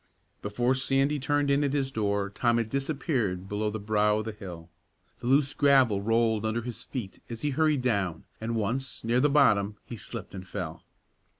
Before Sandy turned in at his door, Tom had disappeared below the brow of the hill. The loose gravel rolled under his feet as he hurried down, and once, near the bottom, he slipped and fell.